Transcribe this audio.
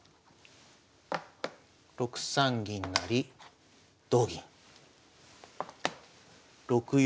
６三銀成同銀６四